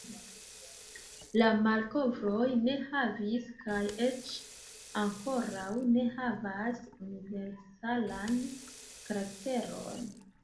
La malkovroj ne havis, kaj eĉ ankoraŭ ne havas, universalan karakteron.